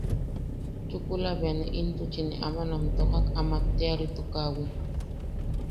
Chukula bea ne intuchi ne aman am tojak am atteʼaritukaʼawi.